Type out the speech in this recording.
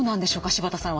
柴田さん